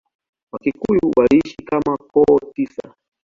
Wakikuyu waliishi kama koo tisa.